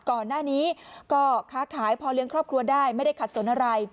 ก่อนหน้านี้ก็ค้าขายพอเลี้ยงครอบครัวได้ไม่ได้ขัดสนอะไร